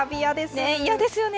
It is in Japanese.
嫌ですよね。